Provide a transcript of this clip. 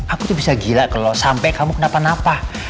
aku tuh bisa gila kalau sampai kamu kenapa napa